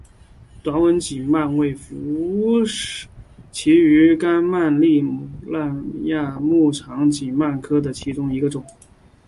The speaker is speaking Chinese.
短吻颈鳗为辐鳍鱼纲鳗鲡目糯鳗亚目长颈鳗科的其中一个种。